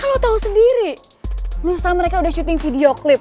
kalo tau sendiri belum setahun mereka udah syuting video klip